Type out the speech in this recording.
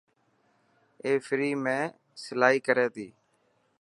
اي فري ۾ سلائي ڪري تي؟